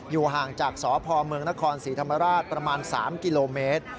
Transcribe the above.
ห่างจากสพเมืองนครศรีธรรมราชประมาณ๓กิโลเมตร